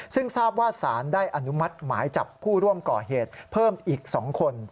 ซึ่งทราบว่าสารได้อนุมัติหมายจับผู้ร่วมก่อเหตุเพิ่มอีก๒คน